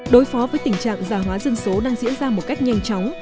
đối phó với tình trạng già hóa dân số đang diễn ra một cách nhanh chóng